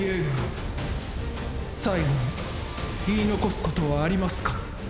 最期に言い残すことはありますか。